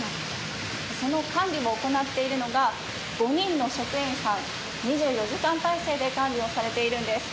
その管理も行っているのが５人の職員さん、２４時間体制で管理をされているんです。